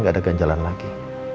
gak ada ganjalan lagi